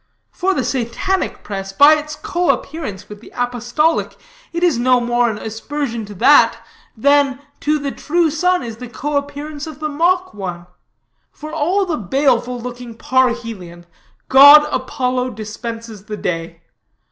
For the Satanic press, by its coappearance with the apostolic, it is no more an aspersion to that, than to the true sun is the coappearance of the mock one. For all the baleful looking parhelion, god Apollo dispenses the day.